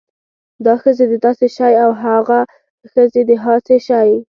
دا ښځې د داسې شی او هاغه ښځې د هاسې شی